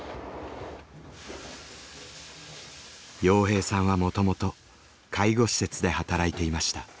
洋平さんはもともと介護施設で働いていました。